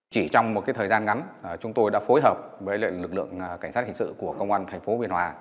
chỉ trong một thời gian ngắn chúng tôi đã phối hợp với lực lượng cảnh sát hình sự của công an tp hcm